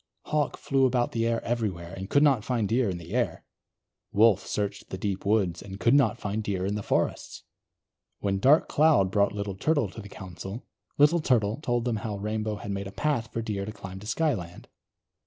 Hawk flew about the air everywhere, and could not find Deer in the air. Wolf searched the deep woods, and could not find Deer in the forests. When Dark Cloud brought Little Turtle to the Council, Little Turtle told them how Rainbow had made a path for Deer to climb to Skyland.